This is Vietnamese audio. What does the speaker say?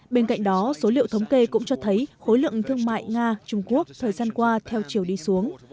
bên cạnh đó số liệu thống kê cũng cho thấy khối lượng thương mại nga trung quốc thời gian qua theo chiều đi xuống